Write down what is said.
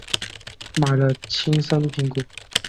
买了青森苹果